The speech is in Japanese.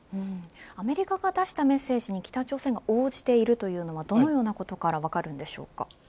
アメリカが出したメッセージに北朝鮮が応じているというのはどのようなことから分かるのでしょうか。